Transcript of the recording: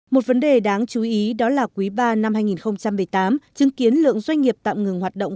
một vấn đề đáng chú ý đó là quý ba năm hai nghìn một mươi tám chứng kiến lượng doanh nghiệp tạm ngừng hoạt động